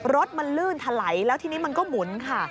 รถมันลื่นถลายแล้วทีนี้มันก็หมุนค่ะ